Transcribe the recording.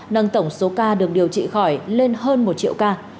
nâng tổng số ca được điều trị khỏi lên hơn một triệu ca